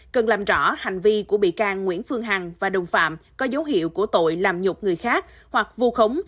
cần làm rõ hành vi của bị can nguyễn phương hằng và đồng phạm có dấu hiệu của tội làm nhục người khác hoặc vu khống